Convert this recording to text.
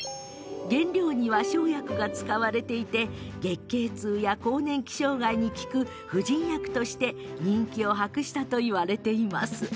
原料には生薬が使われていて月経痛や更年期障害に効く婦人薬として人気を博したといわれています。